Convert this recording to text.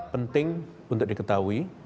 penting untuk diketahui